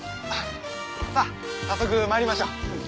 さあ早速まいりましょう。